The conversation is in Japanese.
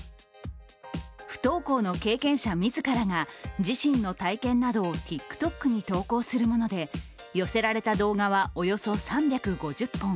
不登校の経験者自らが自身の体験などをＴｉｋＴｏｋに投稿するもので寄せられた動画はおよそ３５０本。